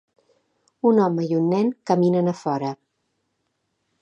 Un home i un nen caminen a fora.